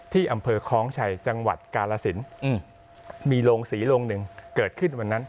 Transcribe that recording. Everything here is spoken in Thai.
ที่อำเภอคล้องชัยจังหวัดกาลสินมีโรงศรีโรงหนึ่งเกิดขึ้นวันนั้น